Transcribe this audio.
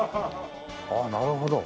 ああなるほど。